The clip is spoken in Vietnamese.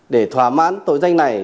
để thỏa mãn tội danh này